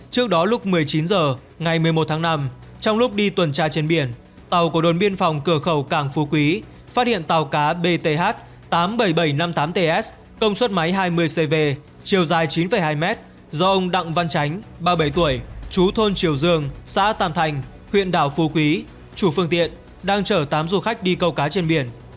trước đó lúc một mươi chín h ngày một mươi một tháng năm trong lúc đi tuần tra trên biển tàu của đồn biên phòng cửa khẩu cảng phú quý phát hiện tàu cá bth tám mươi bảy nghìn bảy trăm năm mươi tám ts công suất máy hai mươi cv chiều dài chín hai m do ông đặng văn chánh ba mươi bảy tuổi chú thôn triều dương xã tàm thành huyện đảo phú quý chủ phương tiện đang chở tám du khách đi câu cá trên biển